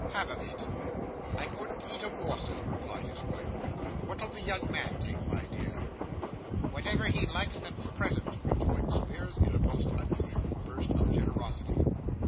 'Have a bit.' 'I couldn't eat a morsel,' replied his wife. 'What'll the young man take, my dear?' 'Whatever he likes that's present,' rejoined Squeers, in a most unusual burst of generosity.